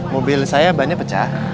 mobil saya bahannya pecah